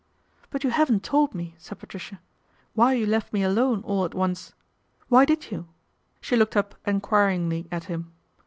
" But you haven't told me," said Patricia, I " why you left me alone all at once. Why did you ?" She looked up enquiringly at him.